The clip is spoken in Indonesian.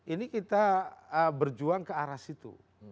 ini kita berjuang ke arah situ